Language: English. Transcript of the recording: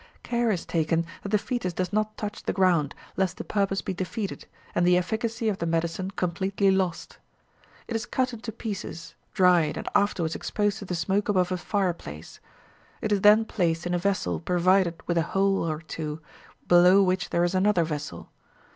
Care is taken that the foetus does not touch the ground, lest the purpose be defeated, and the efficacy of the medicine completely lost. It is cut into pieces, dried, and afterwards exposed to the smoke above a fireplace. It is then placed in a vessel provided with a hole or two, below which there is another vessel.